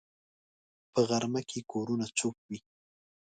په غرمه کې کورونه چوپ وي